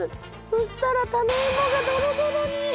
そしたらタネイモがドロドロに！